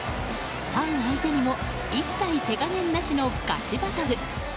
ファン相手にも一切、手加減なしのガチバトル。